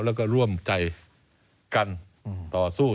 แล้วก็ร่วมใจกันต่อสู้